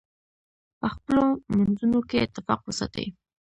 په خپلو منځونو کې اتفاق وساتئ.